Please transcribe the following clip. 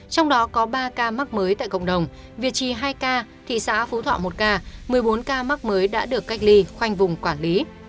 trong đó có ba ca mắc mới tại cộng đồng việt trì hai ca thị xã phú thọ một ca một mươi bốn ca mắc mới đã được cách ly khoanh vùng quản lý